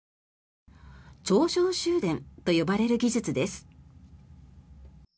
超小集電と呼ばれる技術です。